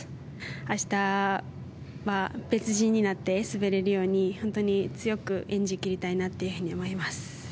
明日別人になって滑れるように本当に、強く演じ切りたいなと思います。